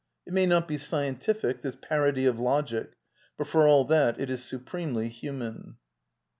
It may not be ^scientific, this parody ^ of logic, but for all that it is supremely human.